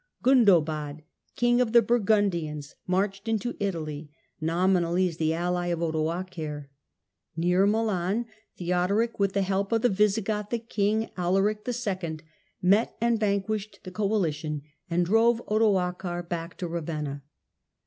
Gundobad, King of the Bur gundians, marched into Italy, nominally as the ally of Odoacer. Near Milan, Theodoric, with the help of the Visigothic king, Alaric II., met and vanquished the coalition and drove Odoacer back to Ravenna.